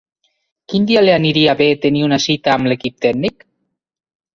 Quin dia li aniria bé tenir una cita amb l'equip tècnic?